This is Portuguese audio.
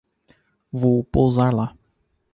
Vou pousar lá